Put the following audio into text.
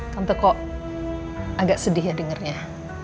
tante kok agak sedih ya dengarnya